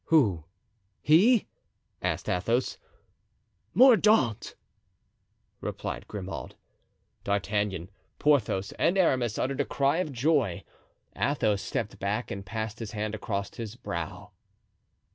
"Who? He?" asked Athos. "Mordaunt," replied Grimaud. D'Artagnan, Porthos and Aramis uttered a cry of joy. Athos stepped back and passed his hand across his brow.